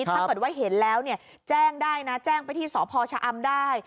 ถ้าเกิดว่าเห็นแล้วแจ้งได้นะแจ้งไปที่สพชะอำได้